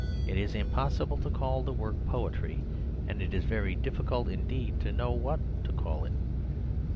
It is impossible to call the work poetry, and it is very difficult indeed to know what to call it.